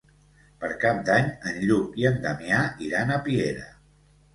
Per Cap d'Any en Lluc i en Damià iran a Piera.